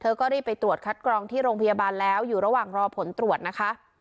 ก็รีบไปตรวจคัดกรองที่โรงพยาบาลแล้วอยู่ระหว่างรอผลตรวจนะคะ